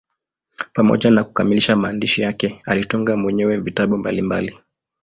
Pamoja na kukamilisha maandishi yake, alitunga mwenyewe vitabu mbalimbali.